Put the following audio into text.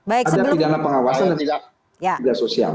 ada pidana pengawasan dan tidak sosial